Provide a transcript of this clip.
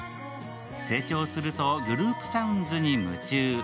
成長するとグループサウンズに夢中。